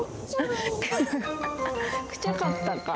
くちゃかったか。